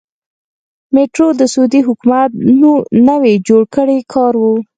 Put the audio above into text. میټرو د سعودي حکومت نوی جوړ کړی کار و.